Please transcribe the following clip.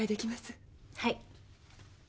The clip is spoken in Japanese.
はい。